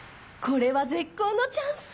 これは絶好のチャンス！